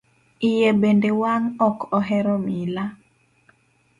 Iye bende wang' ok ohero mila.